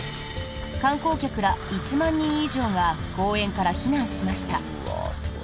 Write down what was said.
観光客ら１万人以上が公園から避難しました。